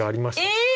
えっ！